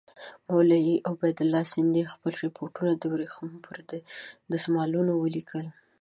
مولوي عبیدالله سندي خپل رپوټونه د ورېښمو پر دسمالونو ولیکل.